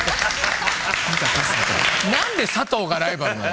何で佐藤がライバルなの？